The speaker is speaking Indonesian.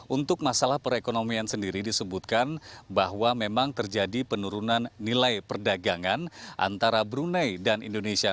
untuk masalah perekonomian sendiri disebutkan bahwa memang terjadi penurunan nilai perdagangan antara brunei dan indonesia